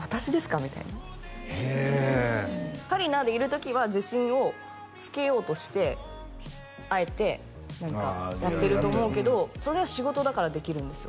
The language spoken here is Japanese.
みたいなへえ香里奈でいる時は自信をつけようとしてあえて何かやってると思うけどそれは仕事だからできるんですよ